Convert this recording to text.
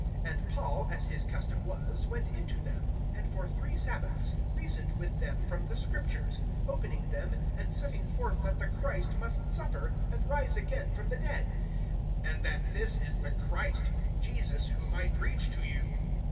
(2)And Paul, as his custom was, went in to them, and for three sabbaths reasoned with them from the Scriptures, (3)opening them, and setting forth that the Christ must suffer, and rise again from the dead; and that this is the Christ, Jesus whom I preach to you.